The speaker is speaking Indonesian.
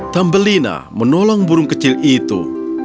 tambelina menolong burung kecil itu